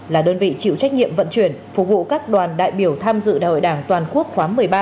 là đơn vị chịu trách nhiệm vận chuyển phục vụ các đoàn đại biểu tham dự đại hội đảng toàn quốc khóa một mươi ba